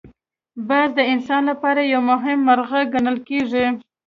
باز د انسان لپاره یو مهم مرغه ګڼل کېږي